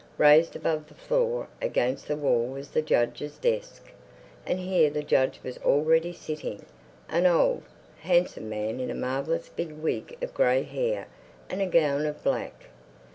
Raised above the floor, against the wall was the Judge's desk; and here the judge was already sitting—an old, handsome man in a marvelous big wig of gray hair and a gown of black.